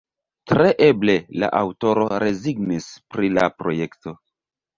Tre eble, la aŭtoro rezignis pri la projekto.